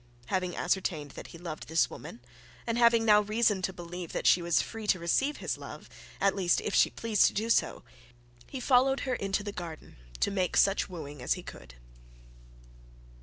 Having ascertained that he loved this woman, and having now reason to believe that she was free to receive his love, at least if she pleased to do so, he followed her into the garden to make such wooing as he could.